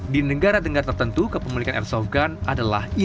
di negara negara tertentu kepemilikan airsoft gun adalah ikan